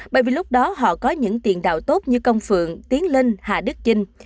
bởi vì lúc đó họ có những tiền tạo tốt như công phượng tiến linh hạ đức vinh